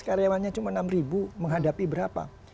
karyawannya cuma enam ribu menghadapi berapa